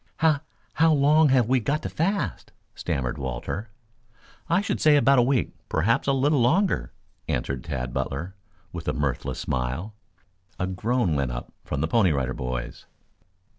"How how long have we got to fast?" stammered Walter. "I should say about a week, perhaps a little longer," answered Tad Butler, with a mirthless smile. A groan went up from the Pony Rider Boys.